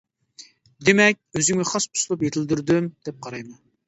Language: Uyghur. دېمەك، ئۆزۈمگە خاس ئۇسلۇب يېتىلدۈردۈم، دەپ قارايمەن.